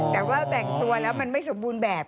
แต่ว่าแบ่งตัวแล้วมันไม่สมบูรณ์แบบ